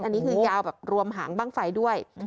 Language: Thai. อันนี้คือยาวแบบรวมหางบ้างไฟด้วย